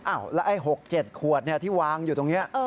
แล้วไอ้๖๗ขวดที่วางอยู่ตรงนี้